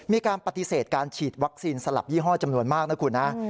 มีการปฏิเสธการฉีดวัคซีนสลับยี่ห้อจำนวนมากนะคุณนะ